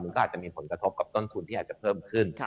อาจจะมีผลกระทบกับต้นทุนที่อาจจะเพิ่มขึ้น